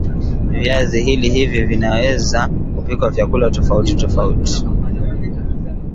viazi hili hivi vinaweza kupikwa vyakula tofauti tofauti